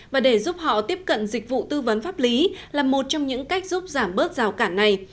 và để giúp họ tiếp cận dịch vụ tư vấn pháp lý là một trong những cách giúp giảm bớt rào cản này